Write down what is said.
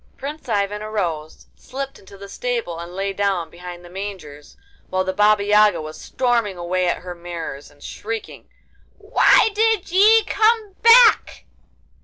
Prince Ivan arose, slipped into the stable, and lay down behind the mangers, while the Baba Yaga was storming away at her mares and shrieking: 'Why did ye come back?